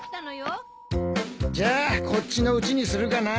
じゃあこっちのうちにするかな。